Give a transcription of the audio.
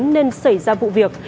nên xảy ra vụ việc